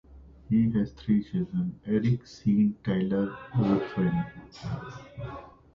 He has three children, Erik, Sean and Tyler Ruthven.